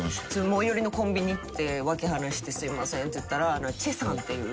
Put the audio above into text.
最寄りのコンビニ行って訳話して「すいません」って言ったら。